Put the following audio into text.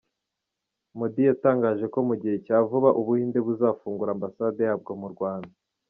Modi yatangaje ko mu gihe cya vuba u Buhinde buzafungura Ambasade yabwo mu Rwanda.